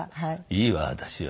いいわ私は。